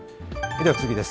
では次です。